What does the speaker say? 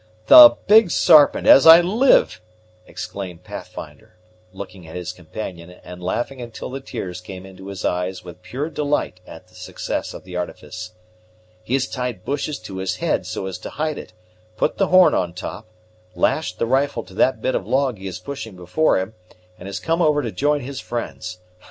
"The Big Sarpent, as I live!" exclaimed Pathfinder, looking at his companion, and laughing until the tears came into his eyes with pure delight at the success of the artifice. "He has tied bushes to his head, so as to hide it, put the horn on top, lashed the rifle to that bit of log he is pushing before him, and has come over to join his friends.